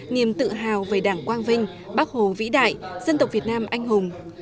niềm tự hào về đảng quang vinh bác hồ vĩ đại dân tộc việt nam anh hùng